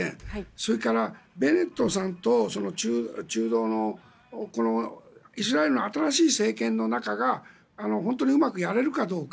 それから、ベネットさんと中道のイスラエルの新しい政権の中が本当にうまくやれるかどうか。